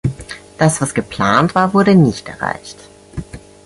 Das, was geplant war, wurde nicht erreicht.